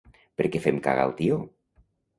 Per què fem cagar el tió?